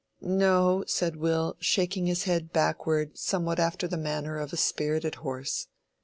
"No," said Will, shaking his head backward somewhat after the manner of a spirited horse.